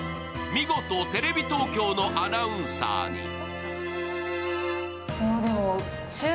見事、テレビ東京のアナウンサーに